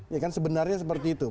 ya kan sebenarnya seperti itu